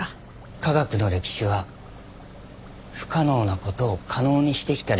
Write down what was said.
科学の歴史は不可能な事を可能にしてきた歴史でもあります。